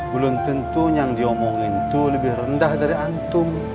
belum tentu yang diomongin itu lebih rendah dari antum